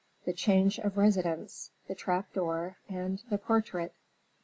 The Change of Residence, the Trap Door, and the Portrait.